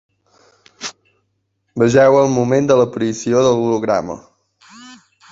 Vegeu el moment de l’aparició de l’holograma.